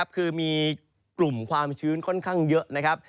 คือมีกลุ่มความชื้นค่อนข้างเยอะนะครับ